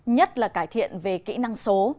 nhất là cải thiện về kỹ năng số